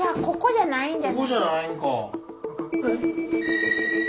ここじゃないんか。